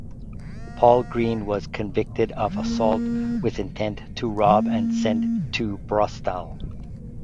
Paul Green was convicted of assault with intent to rob and sent to Borstal.